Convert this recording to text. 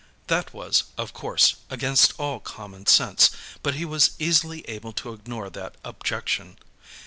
That was, of course, against all common sense, but he was easily able to ignore that objection.